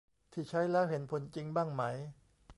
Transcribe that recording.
ที่ใช้แล้วเห็นผลจริงบ้างไหม